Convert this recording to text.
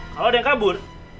kalau ada yang kabur